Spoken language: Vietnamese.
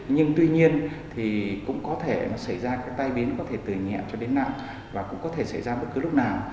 nhưng tuy nhiên thì cũng có thể nó xảy ra cái tai biến có thể từ nhẹ cho đến nặng và cũng có thể xảy ra bất cứ lúc nào